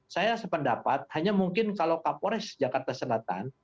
saya sependapat hanya mungkin kalau kapolres jakarta selatan